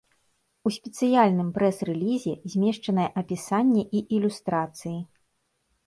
У спецыяльным прэс-рэлізе змешчанае апісанне і ілюстрацыі.